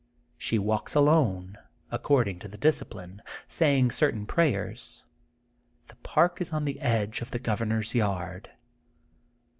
She walks alone, according to the discipline, saying certain prayers. The park is on the edge of the Governor 's yard.